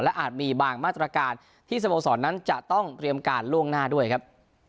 อาจมีบางมาตรการที่สโมสรนั้นจะต้องเตรียมการล่วงหน้าด้วยครับ